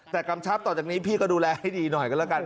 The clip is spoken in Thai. แต่กำชับต่อจากนี้พี่ก็ดูแลให้ดีหน่อยก็แล้วกัน